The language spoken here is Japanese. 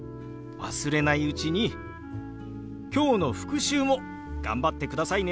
忘れないうちに今日の復習も頑張ってくださいね。